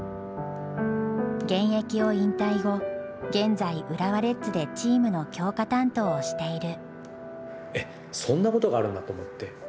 現役を引退後現在浦和レッズでチームの強化担当をしている。